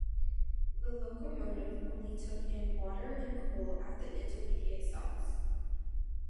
The locomotive only took in water and coal at the intermediate stops.